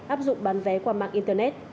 áp dụng bán vé qua mạng internet